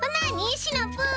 シナプー！